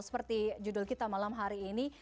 seperti judul kita malam hari ini